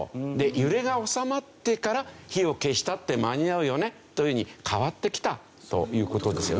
揺れが収まってから火を消したって間に合うよねという風に変わってきたという事ですよね。